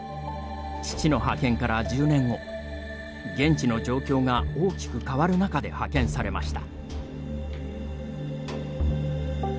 父の派遣から１０年後現地の状況が大きく変わる中で派遣されました。